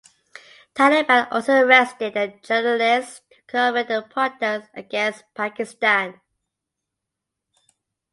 Taliban also arrested the journalists who covered the protests against Pakistan.